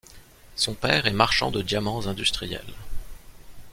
Son père est marchand de diamants industriels.